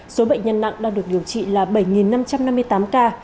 số bệnh nhân nặng đang được điều trị là bảy năm trăm năm mươi tám ca